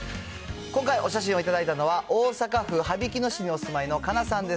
今回、お写真を頂いたのは、大阪府羽曳野市にお住まいのかなさんです。